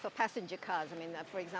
tapi ini juga berbeda untuk mobil pasang